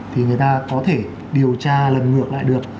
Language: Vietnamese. thì người ta có thể điều tra lần ngược lại được